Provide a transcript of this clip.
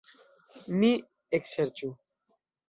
Mi ekserĉu.